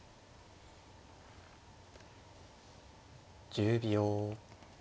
１０秒。